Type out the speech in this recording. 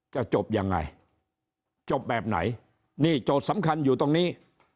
จะจบยังไงจบแบบไหนนี่โจทย์สำคัญอยู่ตรงนี้